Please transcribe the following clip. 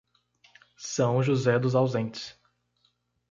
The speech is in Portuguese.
São José dos Ausentes